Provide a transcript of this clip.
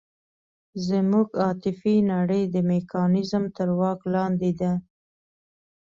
زموږ عاطفي نړۍ د میکانیزم تر واک لاندې ده.